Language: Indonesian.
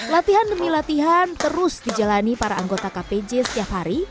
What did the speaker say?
latihan demi latihan terus dijalani para anggota kpj setiap hari